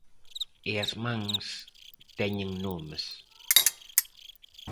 E as mans teñen nomes.